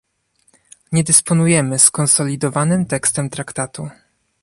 Nie dysponujemy skonsolidowanym tekstem Traktatu